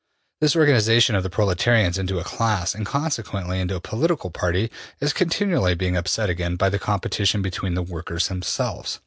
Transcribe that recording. This organization of the proletarians into a class, and consequently into a political party, is continually being upset again by the competition between the workers themselves.